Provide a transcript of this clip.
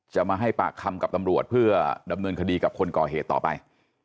จะมาให้ปากคำกับตำรวจเพื่อดำเนินคดีกับคนก่อเหตุต่อไป